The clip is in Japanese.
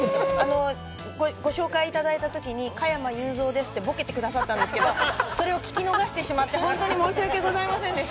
ご紹介いただいたときに、“加山雄三です”ってボケてくれたんですけど、それを聞き逃してしまって、本当に申しわけございませんでした。